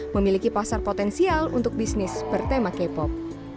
memiliki pasar potensial untuk bisnis bertema k pop